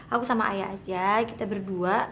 aku sama ayah aja kita berdua